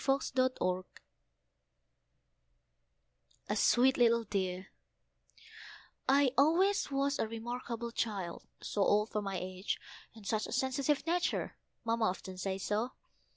A SWEET LITTLE DEAR I always was a remarkable child; so old for my age, and such a sensitive nature! Mamma often says so.